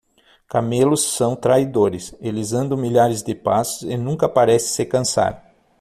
Camelos são traidores. Eles andam milhares de passos e nunca parecem se cansar.